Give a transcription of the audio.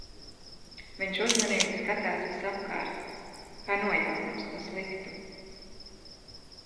Viņš uzmanīgi skatās visapkārt, kā nojauzdams ko sliktu.